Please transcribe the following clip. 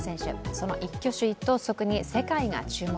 その一挙手一投足に世界が注目。